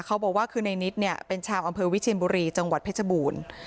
เขาบอกว่าคือในนิดเนี่ยเป็นชาวอำเภอวิเชียนบุรีจังหวัดเพชรบูรณ์